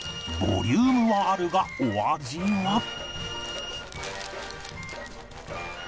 ［ボリュームはあるがお味は？］